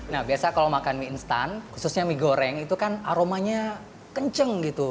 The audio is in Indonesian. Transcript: nah biasa kalau makan mie instan khususnya mie goreng itu kan aromanya kenceng gitu